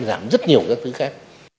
giảm rất nhiều các thứ khác